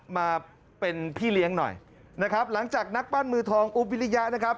มาเป็นพี่เลี้ยงหน่อยนะครับหลังจากนักปั้นมือทองอุ๊บวิริยะนะครับ